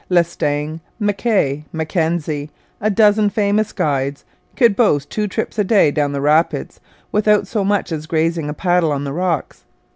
Lestang, M'Kay, Mackenzie, a dozen famous guides, could boast two trips a day down the rapids, without so much as grazing a paddle on the rocks.